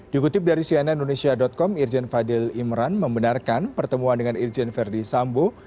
dikutip dari cnn indonesia com irjen fadil imran membenarkan pertemuan dengan irjen verdi sambo